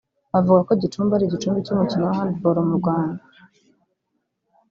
Baravuga ko Gicumbi ari igicumbi cy’umukino wa hand ball mu Rwanda